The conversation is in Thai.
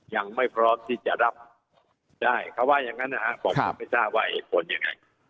ยังไม่พร้อมที่จะรับได้เขาว่าอย่างนั้นนะครับผมก็ไม่ทราบว่าเหตุผลยังไง